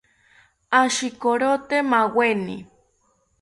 Ashikorote maaweni